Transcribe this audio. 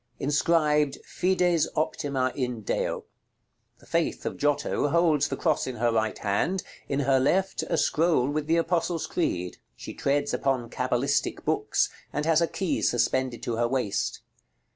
Inscribed "FIDES OPTIMA IN DEO." The Faith of Giotto holds the cross in her right hand; in her left, a scroll with the Apostles' Creed. She treads upon cabalistic books, and has a key suspended to her waist.